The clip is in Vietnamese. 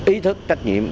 ý thức trách nhiệm